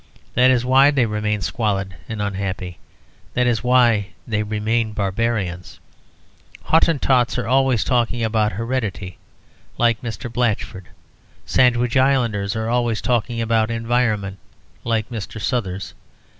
That is why they remain squalid and unhappy; that is why they remain barbarians. Hottentots are always talking about heredity, like Mr. Blatchford. Sandwich Islanders are always talking about environment, like Mr. Suthers.